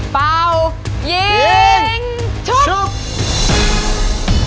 เป้ายิงชุด